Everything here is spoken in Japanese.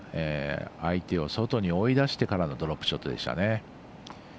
相手を外に追い出してからのドロップショットでしたね。